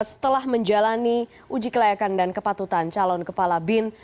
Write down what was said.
setelah menjalani uji kelayakan dan kepatutan calon kepala bin